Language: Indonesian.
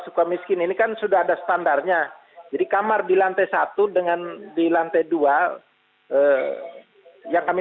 suka miskin ini kan sudah ada standarnya jadi kamar di lantai satu dengan di lantai dua yang kami